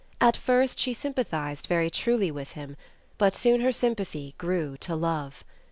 At first she sympathized very truly with him, but soon her sympathy grew to love.